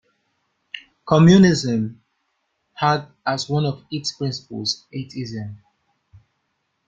Communism had as one of its principles atheism.